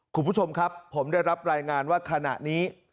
คุณผู้ชมครับผมได้รับรายงานว่าขณะนี้